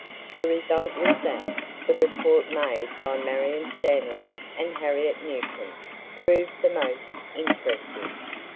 The result was that the report made by Marion Stanlock and Harriet Newcomb proved the most interesting.